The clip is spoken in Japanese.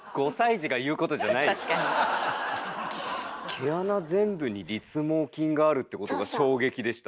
毛穴全部に立毛筋があるってことが衝撃でした。